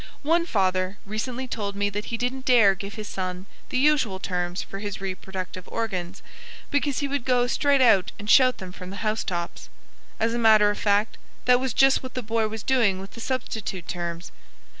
One father recently told me that he didn't dare give his son the usual terms for his reproductive organs because he would go straight out and shout them from the housetops. As a matter of fact, that was just what the boy was doing with the substitute terms.